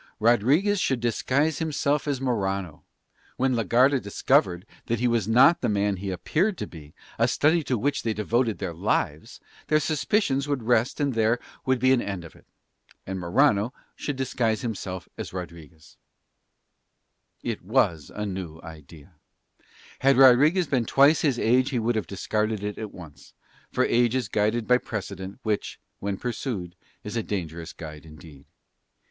Rodriguez should disguise himself as Morano. When la Garda discovered that he was not the man he appeared to be, a study to which they devoted their lives, their suspicions would rest and there would be an end of it. And Morano should disguise himself as Rodriguez. It was a new idea. Had Rodriguez been twice his age he would have discarded it at once; for age is guided by precedent which, when pursued, is a dangerous guide indeed.